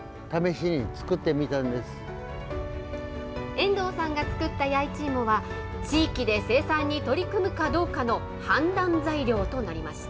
遠藤さんが作った弥一芋は、地域で生産に取り組むかどうかの判断材料となりました。